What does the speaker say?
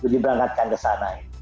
diberangkatkan ke sana